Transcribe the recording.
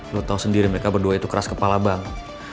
lo tau sendiri mereka berdua itu keras kepala bang